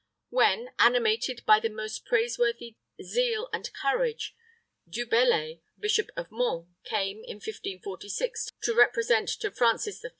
When, animated by the most praiseworthy zeal and courage, Du Bellay, Bishop of Mans, came, in 1546, to represent to Francis I.